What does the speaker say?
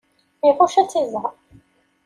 Iɣucc ad tt-iẓer.